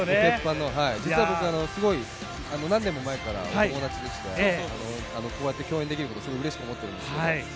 実は僕、すごい何年も前から友達でして、こうやって共有できること、すごくうれしく思っているんですけど。